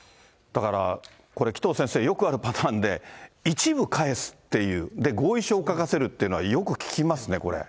だからこれ、紀藤先生、よくあるパターンで、一部返すっていう、合意書を書かせるっていうのはよく聞きますね、これ。